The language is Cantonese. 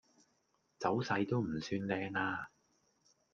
走勢都唔算靚呀